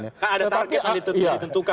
ada target hal itu